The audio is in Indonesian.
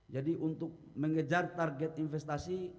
jadi untuk mengejar target investasi